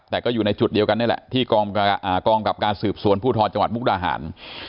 แต่ก็อยู่ในจุดเดียวกันนี่แหละที่กองกับการสืบสวนภูทรจังหวัดมุกดาหาร